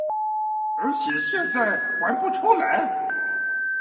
而且現在還不出來